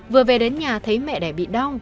vừa về đến nhà thấy mẹ đẻ bị đau